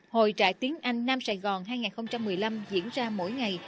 hội trại tiếng anh nam sài gòn hai nghìn một mươi năm diễn ra mỗi ngày